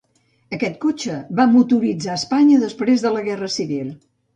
Aquest cotxe va motoritzar Espanya després de la Guerra Civil.